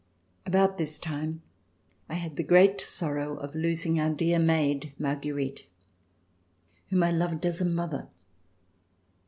About this time I had the great sorrow of losing our dear maid. Marguerite, whom I loved as a mother.